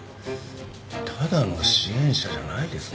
ただの支援者じゃないですね。